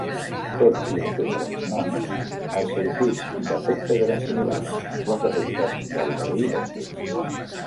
Tot i els diferents noms, els circuits d'efectes eren similars, i els efectes, gairebé idèntics.